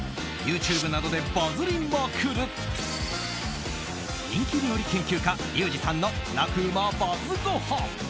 ＹｏｕＴｕｂｅなどでバズりまくる人気料理研究家・リュウジさんの楽ウマＢＵＺＺごはん。